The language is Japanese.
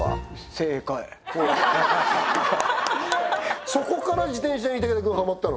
正解ほらそこから自転車に武田君ハマったの？